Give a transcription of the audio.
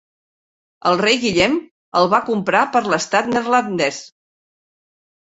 El rei Guillem el va comprar per l'estat Neerlandès.